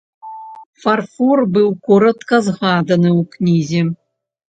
Фарфор быў коратка згаданы ў кнізе.